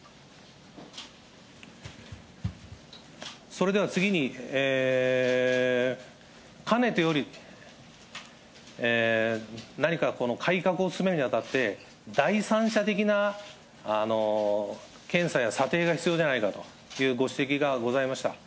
それでは次に、かねてより何か改革を進めるにあたって、第三者的な検査や査定が必要じゃないかというご指摘がございました。